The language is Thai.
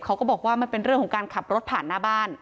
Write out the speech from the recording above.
เขาก็บอกว่ามันเป็นเรื่องของการขับรถผ่านหน้าบ้าน